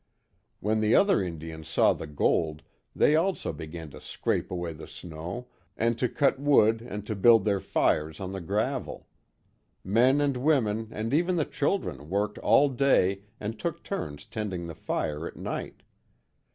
When the other Indians saw the gold they also began to scrape away the snow, and to cut wood and to build their fires on the gravel. Men and women, and even the children worked all day and took turns tending the fire at night.